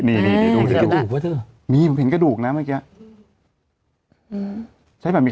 อเรนนี่อเรนนี่อเรนนี่